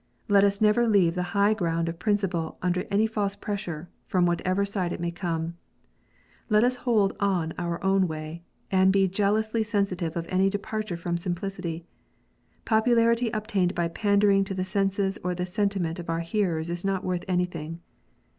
Let us never leave the high ground of principle under any false pressure, from whatever side it may come. Let us hold on our own way, and be jeal ously sensitive of any departure from simplicity. Popularity obtained by pandering to the senses or the sentiment of our hearers is not worth anything.